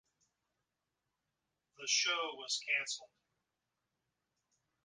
The show was canceled.